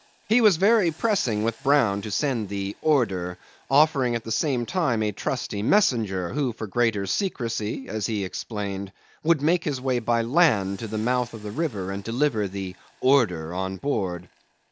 He was very pressing with Brown to send the "order," offering at the same time a trusty messenger, who for greater secrecy (as he explained) would make his way by land to the mouth of the river and deliver the "order" on board.